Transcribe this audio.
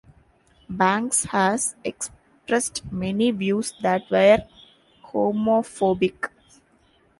Banks has expressed many views that were homophobic.